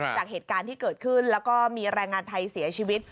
จากเหตุการณ์ที่เกิดขึ้นแล้วก็มีแรงงานไทยเสียชีวิต